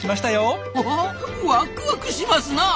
ほほっワクワクしますなあ！